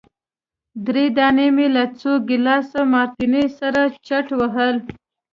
درې دانې مي له څو ګیلاسه مارټیني سره چټ وهل.